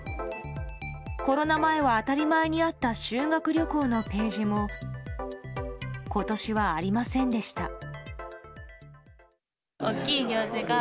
コロナ前は当たり前にあった修学旅行のページも今年はありませんでした。